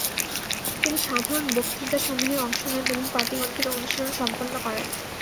তিনি সাধারণ বক্তৃতাসমূহে অংশ নেন এবং পাটীগণিতের অনুশীলন সম্পন্ন করেন।